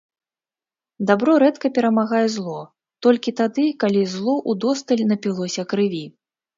Дабро рэдка перамагае зло, толькі тады, калі зло ўдосталь напілося крыві.